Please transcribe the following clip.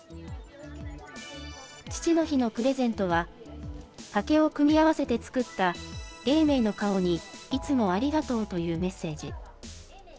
父の日のプレゼントは、竹を組み合わせて作った、永明の顔に、いつもありがとうというメッセージ。